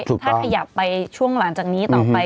ถ้าขยับไปช่วงหลังจากนี้ต่อไป